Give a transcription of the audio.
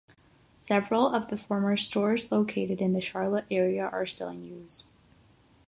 Several of the former stores located in the Charlotte area are still in use.